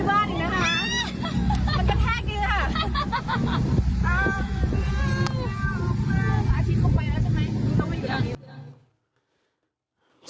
มันกระแทกดีนะฮะ